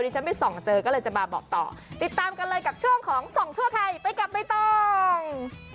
ฉันไปส่องเจอก็เลยจะมาบอกต่อติดตามกันเลยกับช่วงของส่องทั่วไทยไปกับใบตอง